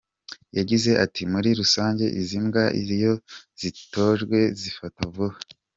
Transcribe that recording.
Yagize ati “Muri rusange izi mbwa iyo zitojwe zifata vuba.